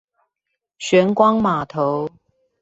玄光碼頭